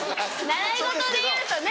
習い事でいうとね